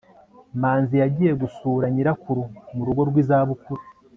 manzi yagiye gusura nyirakuru mu rugo rw'izabukuru